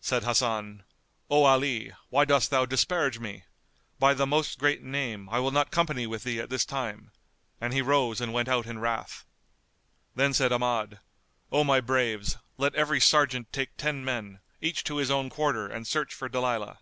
Said Hasan, "O Ali, why dost thou disparage me? By the Most Great Name, I will not company with thee at this time!"; and he rose and went out in wrath. Then said Ahmad, "O my braves, let every sergeant take ten men, each to his own quarter and search for Dalilah."